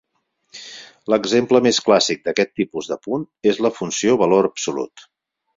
L'exemple més clàssic d'aquest tipus de punt és la funció valor absolut.